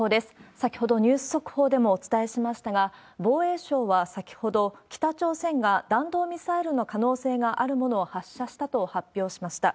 先ほどニュース速報でもお伝えしましたが、防衛省は先ほど、北朝鮮が弾道ミサイルの可能性があるものを発射したと発表しました。